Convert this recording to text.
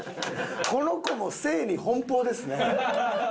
この子も性に奔放ですね。